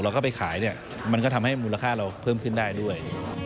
เข้าไปขายเนี่ยมันก็ทำให้มูลค่าเราเพิ่มขึ้นได้ด้วย